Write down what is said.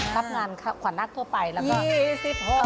รับงานขวัญนักทั่วไปแล้วก็